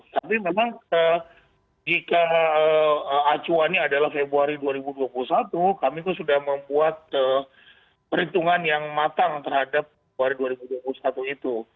tapi memang jika acuannya adalah februari dua ribu dua puluh satu kami itu sudah membuat perhitungan yang matang terhadap februari dua ribu dua puluh satu itu